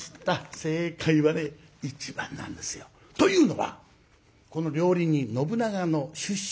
正解はね１番なんですよ。というのはこの料理人信長の出身地を考えたんですよ。